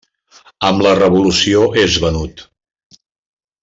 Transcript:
Amb la revolució és venut.